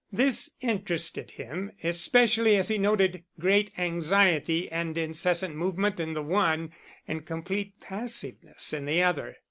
This interested him especially as he noted great anxiety and incessant movement in the one, and complete passiveness in the other.